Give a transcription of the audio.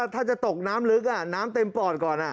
ถ้าจะตกน้ำลึกน้ำเต็มปอดก่อน